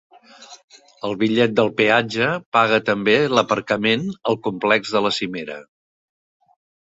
El bitllet del peatge paga també l'aparcament al complex de la cimera.